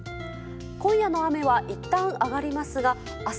今夜の雨はいったん上がりますが明日